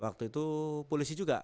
waktu itu polisi juga